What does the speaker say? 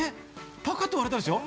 パカッと割れたでしょ？